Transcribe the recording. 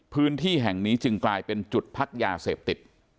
พื้นที่แห่งนี้จึงกลายเป็นจุดพักยาเสพติด